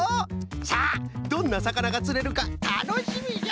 さあどんなさかながつれるかたのしみじゃ！